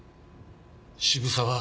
渋沢